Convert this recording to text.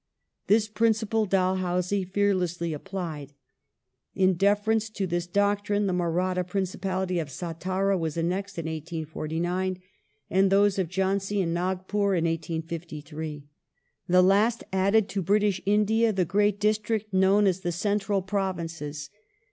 This principle Dalhousie fearlessly applied. In deference to this doctrine the Maratha principality of Satara was annexed in 1849, and those of Jhansi and Nagpur, in 1853. The last added to British India the great district known as the Central Provinces.